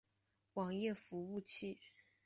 网页服务器。